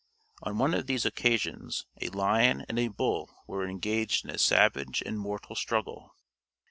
On one of these occasions a lion and a bull were engaged in a savage and mortal struggle.